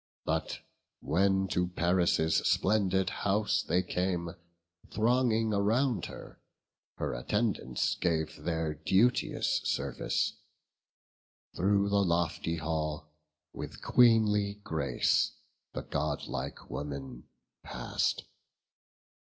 But when to Paris' splendid house they came, Thronging around her, her attendants gave Their duteous service; through the lofty hall With queenly grace the godlike woman pass'd.